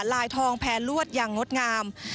ลายทองแพรลวดอย่างงดงาม